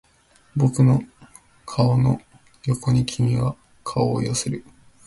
僕の顔の横に君は顔を寄せる